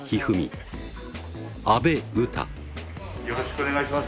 よろしくお願いします